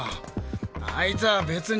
あいつは別に。